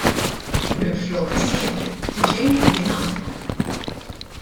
Minflok " isir " tiġi " jingħata ".